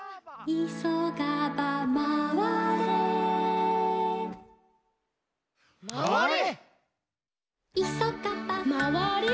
「いそがば」「まわれ？」